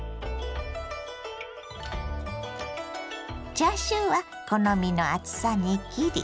チャーシューは好みの厚さに切り。